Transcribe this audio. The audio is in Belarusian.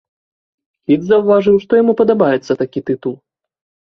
Кіт заўважыў, што яму падабаецца такі тытул.